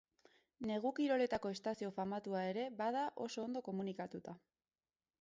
Negu-kiroletako estazio famatua ere bada, oso ondo komunikatuta.